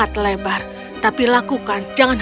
anjing itu memiliki mata yang sangat